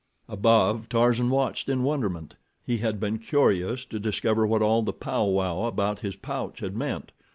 Above, Tarzan watched in wonderment. He had been curious to discover what all the pow wow about his pouch had meant.